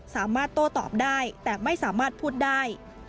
สามารถโต้ตอบได้แต่ไม่สามารถพูดได้